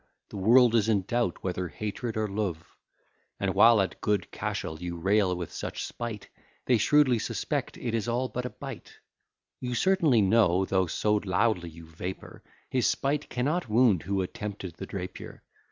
The world is in doubt whether hatred or love; And, while at good Cashel you rail with such spite, They shrewdly suspect it is all but a bite. You certainly know, though so loudly you vapour, His spite cannot wound who attempted the Drapier.